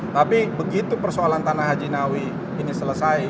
tapi begitu persoalan tanah haji nawi ini selesai